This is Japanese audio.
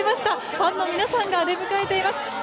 ファンの皆さんが出迎えています。